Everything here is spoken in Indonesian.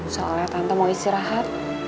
soalnya tante mau istirahat